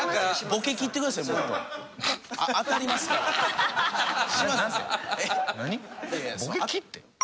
ボケきって？